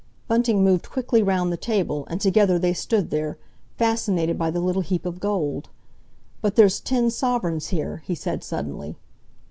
Bunting moved quickly round the table, and together they stood there, fascinated by the little heap of gold. "But there's ten sovereigns here," he said suddenly.